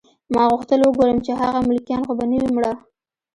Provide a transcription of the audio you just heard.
ما غوښتل وګورم چې هغه ملکیان خو به نه وي مړه